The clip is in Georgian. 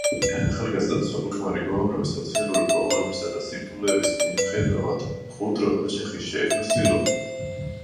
ახალგაზრდა ცოლ-ქმარი უამრავი სოციალური პრობლემებისა და სირთულეების მიუხედავად, მყუდრო ოჯახის შექმნას ცდილობს.